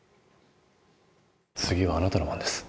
次はあなたの番です。